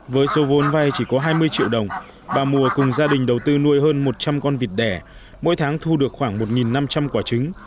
với số vốn vay chỉ có hai mươi triệu đồng bà mùa cùng gia đình đầu tư nuôi hơn một trăm linh con vịt đẻ mỗi tháng thu được khoảng một năm trăm linh quả trứng